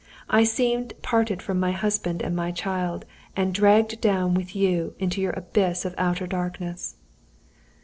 I seemed parted from my husband and my child, and dragged down with you into your abyss of outer darkness.